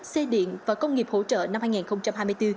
xe điện và công nghiệp hỗ trợ năm hai nghìn hai mươi bốn